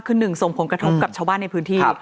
คือหนึ่งส่งผลกระทบกับชาวบ้านในพื้นที่